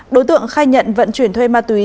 đối tượng khai nhận vận chuyển thuê ma túy